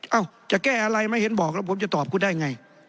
จะแก้อะไรไม่เห็นบอกแล้วผมจะตอบกูได้ไง